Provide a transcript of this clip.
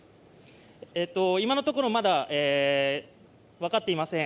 今のところ、まだ分かっていません。